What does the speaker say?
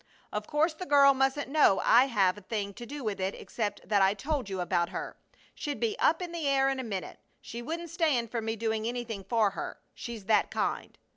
Of course the girl mustn't know I have a thing to do with it except that I told you about her. She'd be up in the air in a minute. She wouldn't stand for me doing anything for her. She's that kind.